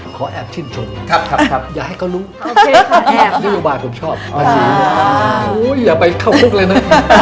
แอบชื่นชมครับอย่าให้เขารู้นโยบายผมชอบอย่าไปเข้าคุกเลยนะ